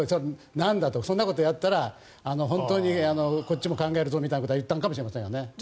そんなことをやったらこっちも考えるぞみたいなことは言ったのかもしれませんけどね。